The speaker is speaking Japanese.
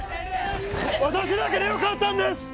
私だけでよかったんです！